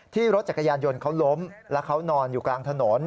รถจักรยานยนต์เขาล้มแล้วเขานอนอยู่กลางถนน